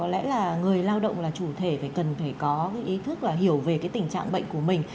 lẽ là người lao động là chủ thể phải cần phải có cái ý thức là hiểu về cái tình trạng bệnh của mình